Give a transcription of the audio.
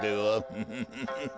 ・フフフフフ。